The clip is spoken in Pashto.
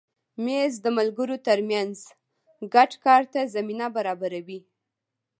مېز د ملګرو تر منځ ګډ کار ته زمینه برابروي.